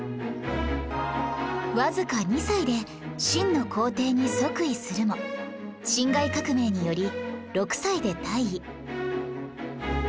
わずか２歳で清の皇帝に即位するも辛亥革命により６歳で退位